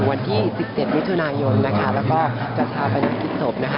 ในวันที่๑๗วิธุนายนนะคะแล้วก็จัดท้าบรรยากิจศพนะคะ